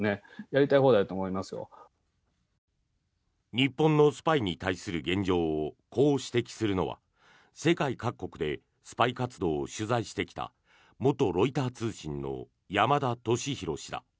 日本のスパイに対する現状をこう指摘するのは世界各国でスパイ活動を取材してきた元ロイター通信の山田敏弘氏だ。